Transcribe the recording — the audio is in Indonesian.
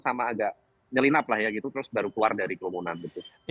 sama agak nyelinap lah ya gitu terus baru keluar dari kerumunan gitu